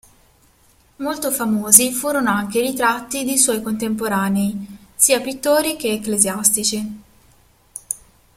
Molto famosi furono anche i ritratti di suoi contemporanei sia pittori che ecclesiastici.